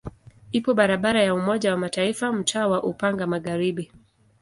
Ipo barabara ya Umoja wa Mataifa mtaa wa Upanga Magharibi.